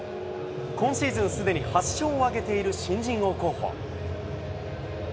今シーズン、すでに８勝を挙げている新人王候補。